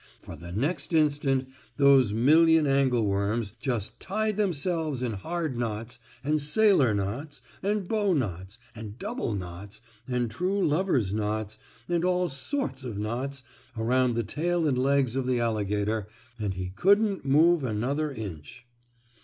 For the next instant those million angle worms just tied themselves in hard knots, and sailor knots, and bow knots, and double knots, and true lovers' knots and all sorts of knots around the tail and legs of the alligator, and he couldn't move another inch.